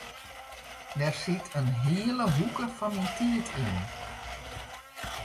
Dêr sit in hiele hoeke fan myn tiid yn.